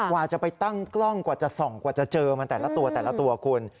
กว่าจะไปตั้งกล้องกว่าจะส่องกว่าจะเจอมันแต่ละตัวแต่ละตัวคุณ